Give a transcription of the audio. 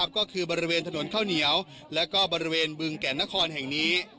ก็คือบริเวณถนนข้าวเหนียวและก็บริเวณบึงแก่นนครแห่งนี้